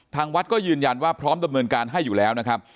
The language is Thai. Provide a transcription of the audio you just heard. ทางวัดก็ยืนยันว่าพร้อมดำเนินการให้อยู่แล้วนะครับ